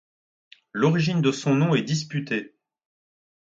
L'origine de son nom est disputée.